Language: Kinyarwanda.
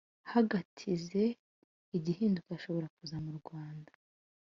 hagatize igihinduka ashobora kuza mu rwanda